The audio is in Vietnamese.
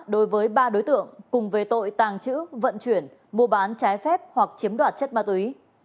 đối với ba đối tượng cùng về tội tàng trữ vận chuyển mua bán trái phép hoặc chiếm đoạt chất ma túy